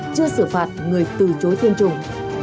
chưa xử phạt người từ chối tiêm chủng